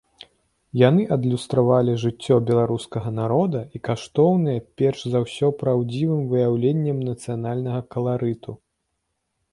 Яны адлюстравалі жыццё беларускага народа і каштоўныя перш за ўсё праўдзівым выяўленнем нацыянальнага каларыту.